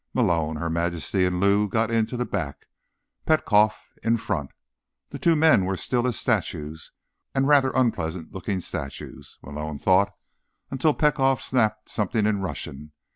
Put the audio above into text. Malone, Her Majesty and Lou got into the back, Petkoff in front. The two men were as still as statues—and rather unpleasant looking statues, Malone thought—until Petkoff snapped something in Russian.